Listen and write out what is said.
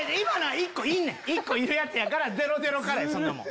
１個いるやつやからゼロゼロからやそんなもん。